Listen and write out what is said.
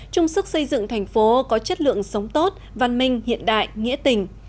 trung sức xây dựng thành phố có chất lượng sống tốt văn minh hiện đại nghĩa tình